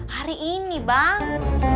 hari ini bang